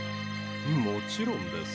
もちろんです。